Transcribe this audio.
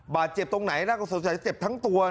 บาดเจ็บตรงไหนน่าก็สงสัยเจ็บทั้งตัว